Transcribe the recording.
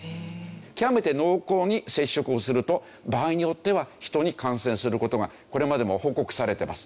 極めて濃厚に接触をすると場合によっては人に感染する事がこれまでも報告されてます。